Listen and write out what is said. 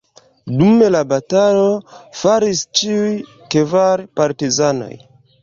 Dum la batalo falis ĉiuj kvar partizanoj.